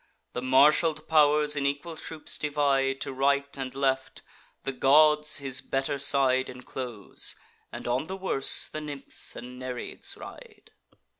The marshal'd pow'rs in equal troops divide To right and left; the gods his better side Inclose, and on the worse the Nymphs and Nereids ride.